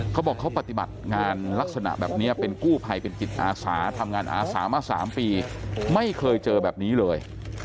เขาบอกเขาปฏิบัติงานลักษณะแบบนี้เป็นกู้ภัยเป็นจิตอาสาทำงานอาสามา๓ปีไม่เคยเจอแบบนี้เลย